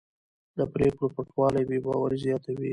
د پرېکړو پټوالی بې باوري زیاتوي